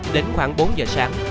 đến khoảng bốn giờ sáng